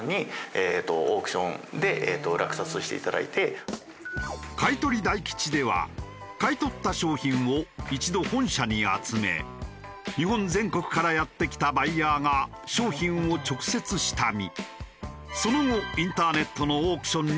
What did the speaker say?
では買取大吉では買い取った商品を一度本社に集め日本全国からやって来たバイヤーが商品を直接下見。